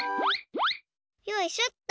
よいしょっと。